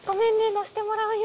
乗せてもらうよ。